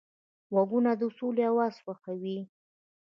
غوږونه د سولې اواز خوښوي